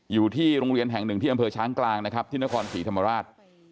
อยู่ที่โรงเรียนแห่งหนึ่งที่อำเภอช้างกลางนะครับที่นครศรีธรรมราช